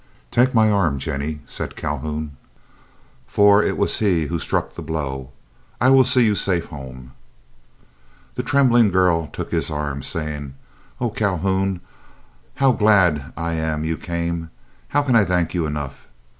"Take my arm, Jennie," said Calhoun, for it was he who struck the blow, "I will see you safe home." The trembling girl took his arm, saying: "Oh, Calhoun, how glad I am you came! How can I thank you enough!